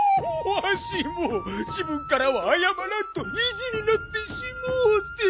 わしもじぶんからはあやまらんといじになってしもうて！